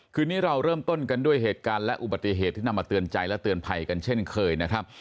คืนนี้เราเริ่มต้นกันด้วยเหตุการณ์และอุบัติเหตุที่นำมาเตือนใจและเตือนภัยกันเช่นเคยนะครับ